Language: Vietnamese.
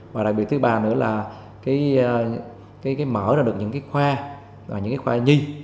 và đặc biệt thứ ba nữa là mở ra được những cái khoa những cái khoa nhi